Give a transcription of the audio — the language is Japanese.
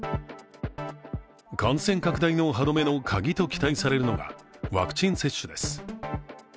感染拡大の歯止めのカギと期待されるのがワクチン接種です。